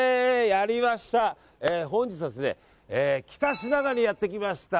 本日は、北品川にやってきました。